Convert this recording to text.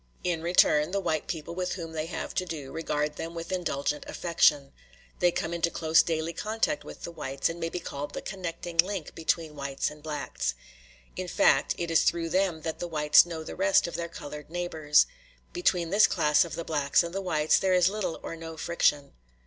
In return, the white people with whom they have to do regard them with indulgent affection. They come into close daily contact with the whites, and may be called the connecting link between whites and blacks; in fact, it is through them that the whites know the rest of their colored neighbors. Between this class of the blacks and the whites there is little or no friction.